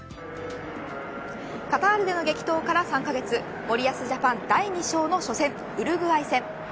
カタールでの激闘から３カ月森保ジャパン第２章の初戦ウルグアイ戦。